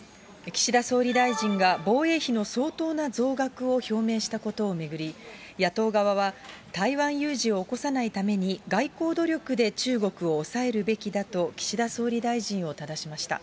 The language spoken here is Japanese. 岸田総理大臣が防衛費の相当な増額を表明したことを巡り、野党側は台湾有事を起こさないために、外交努力で中国を抑えるべきだと岸田総理大臣をただしました。